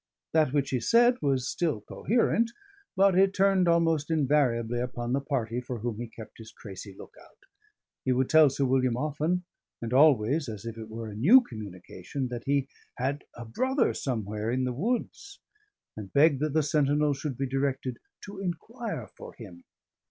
That which he said was still coherent; but it turned almost invariably upon the party for whom he kept his crazy look out. He would tell Sir William often, and always as if it were a new communication, that he had "a brother somewhere in the woods," and beg that the sentinels should be directed "to inquire for him."